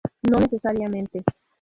No necesariamente.